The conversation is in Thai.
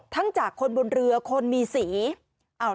ทั้งจากคนบนเรือคนมีศีล